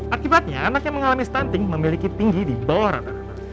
akibatnya anak yang mengalami stunting memiliki tinggi di bawah rata rata